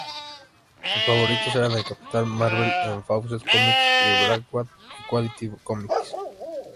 Sus favoritos eran el Capitán Marvel de Fawcett Comics y Blackhawk de Quality Comics.